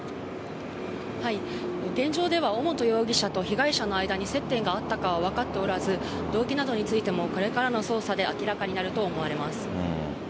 現状では尾本容疑者と被害者の間に接点があったかは分かっておらず、動機などについてもこれからの捜査で明らかになると思われます。